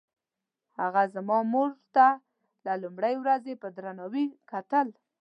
هغه زما مور ته له لومړۍ ورځې په درناوي کتل.